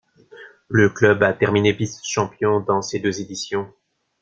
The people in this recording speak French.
Le club a terminé vice-champion dans ces deux éditions.